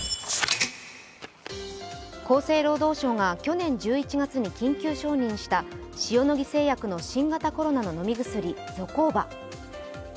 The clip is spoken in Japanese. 厚生労働省が去年１１月に緊急承認した塩野義製薬の新型コロナの飲み薬ゾコーバ。